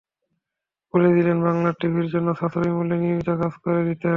বলে দিলেন বাংলা টিভির জন্য সাশ্রয়ী মূল্যে নিয়মিত কাজ করে দিতে।